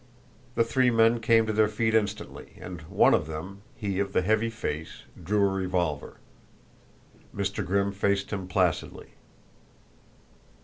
The three men came to their feet instantly, and one of them he of the heavy face drew a revolver. Mr. Grimm faced him placidly.